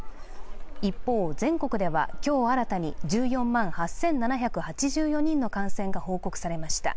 一方、全国では今日新たに１４万８７８４人の感染が報告されました。